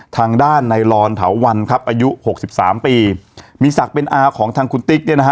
ทางด้านในลอนเถาวันครับอายุหกสิบสามปีมีศักดิ์เป็นอาของทางคุณติ๊กเนี่ยนะฮะ